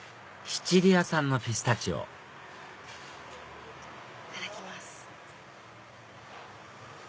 シチリア産のピスタチオいただきます。